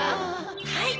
はい。